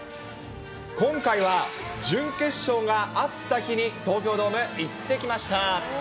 今回は準決勝があった日に、東京ドームに行ってきました。